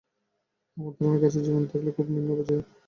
আমার ধারণা, গাছের জীবন থাকলেও তা খুব নিম্ন পর্যায়ের।